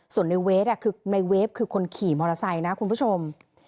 ส่วนในเวฟคือคนขี่มอเตอร์ไซค์นะคุณผู้ชม